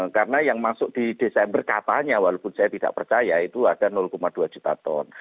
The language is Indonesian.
karena yang masuk di desember katanya walaupun saya tidak percaya itu ada dua juta ton